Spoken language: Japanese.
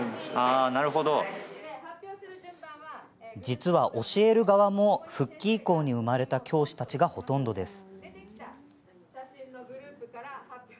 実は、教える側も復帰以降に生まれた教師たちがほとんどです。